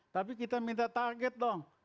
tapi kita minta target dong